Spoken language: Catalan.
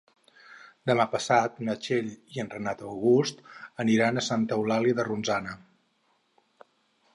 Demà passat na Txell i en Renat August aniran a Santa Eulàlia de Ronçana.